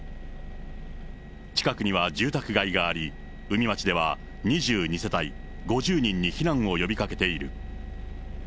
近くには住宅街があり、宇美町では２２世帯５０人に避難を呼びかけている。